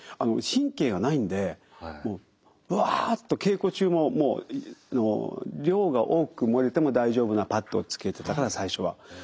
神経がないんでもうぶわっと稽古中ももう量が多く漏れても大丈夫なパッドをつけてたかな最初は。